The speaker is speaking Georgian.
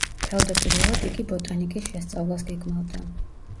თავდაპირველად, იგი ბოტანიკის შესწავლას გეგმავდა.